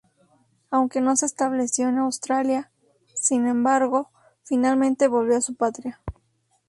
Aunque no se estableció en Australia, sin embargo finalmente volvió a su patria.